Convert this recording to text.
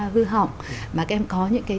hư họng mà các em có những cái